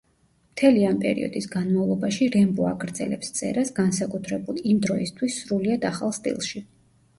მთელი ამ პერიოდის განმავლობაში რემბო აგრძელებს წერას განსაკუთრებულ, იმ დროისთვის სრულიად ახალ სტილში.